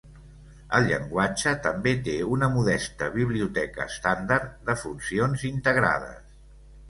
El llenguatge també te una modesta biblioteca estàndard de funcions integrades.